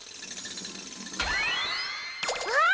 あっ！